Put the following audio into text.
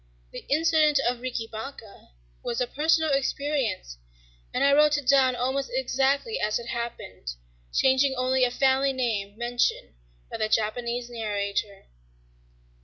The incident of "Riki Baka" was a personal experience; and I wrote it down almost exactly as it happened, changing only a family name mentioned by the Japanese narrator.